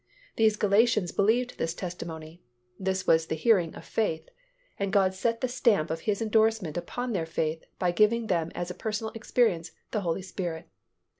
These Galatians believed this testimony; this was the hearing of faith, and God set the stamp of His endorsement upon their faith by giving them as a personal experience the Holy Spirit.